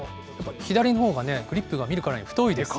左のほうがグリップが見るからに太いですね。